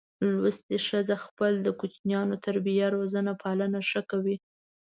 لوستي ښځه خپل د کوچینیانو تربیه روزنه پالنه ښه کوي.